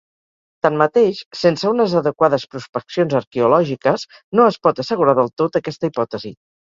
Tanmateix, sense unes adequades prospeccions arqueològiques no es pot assegurar del tot aquesta hipòtesi.